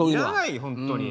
本当に。